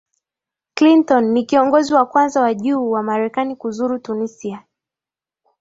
clinton ni kiongonzi wa kwanza wa juu wa marekani kuzuru tunisia